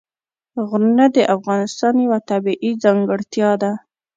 غرونه د افغانستان یوه طبیعي ځانګړتیا ده.